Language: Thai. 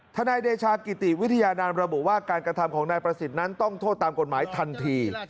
นายเดชากิติวิทยานามระบุว่าการกระทำของนายประสิทธิ์นั้นต้องโทษตามกฎหมายทันที